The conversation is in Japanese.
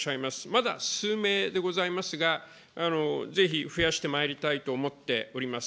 まだ数名でございますが、ぜひ増やしてまいりたいと思っております。